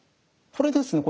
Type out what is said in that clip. これですね